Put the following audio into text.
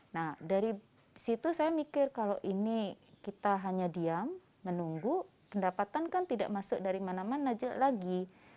nah dari situ saya mikir kalau ini kita hanya diam menunggu pendapatan kan tidak masuk dari mana mana lagi